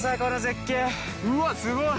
うわっすごい。